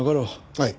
はい。